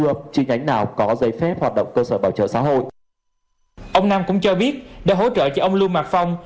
ông nam cũng cho biết để hỗ trợ cho ông lưu mạc phong